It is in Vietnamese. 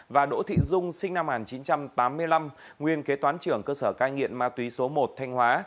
và đỗ thị dung sinh năm một nghìn chín trăm tám mươi năm nguyên kế toán trưởng cơ sở cai nghiện ma túy số một thanh hóa